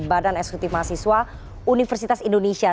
badan eksekutif mahasiswa universitas indonesia